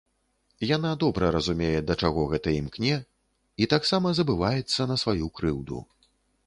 Яна добра разумее, да чаго гэта імкне, і таксама забываецца на сваю крыўду.